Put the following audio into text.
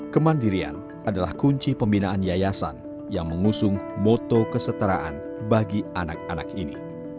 kemandirian adalah kunci pembinaan yayasan yang mengusung moto kesetaraan bagi anak anak ini